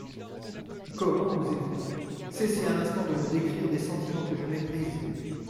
«Comment osez-vous ?… Cessez à l’instant de me décrire des sentiments que je méprise.